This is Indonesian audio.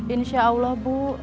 insya allah bu